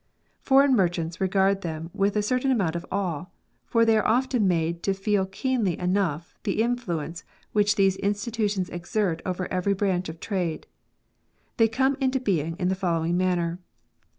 Foreign merchants regard them with a certain amount of awe, for they are often made to feel keenly enough the influence which these insti tutions exert over every branch of trade. They come into being in the following manner.